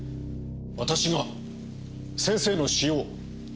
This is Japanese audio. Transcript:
私が先生の詩を？